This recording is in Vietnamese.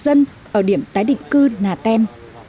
đây là điểm tái định cư được di chuyển từ nà tem